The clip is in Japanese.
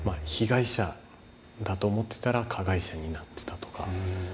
被害者だと思ってたら加害者になってたとか。